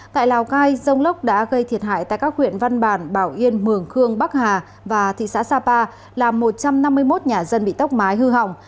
tại lào cai rông lốc đã gây thiệt hại tại các huyện văn bản bảo yên mường khương bắc hà và thị xã sapa làm một trăm năm mươi một nhà dân bị tốc mái hư hỏng